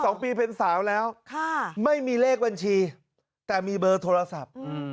สองปีเป็นสาวแล้วค่ะไม่มีเลขบัญชีแต่มีเบอร์โทรศัพท์อืม